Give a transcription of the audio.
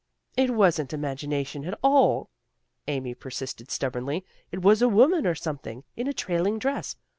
" It wasn't imagination at all," Amy per sisted stubbornly. " It was a woman or some thing in a trailing dress.